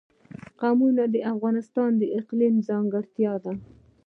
قومونه د افغانستان د اقلیم ځانګړتیا ده.